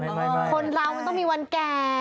คนเรามันต้องมีวันแก่